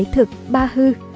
bảy thực ba hư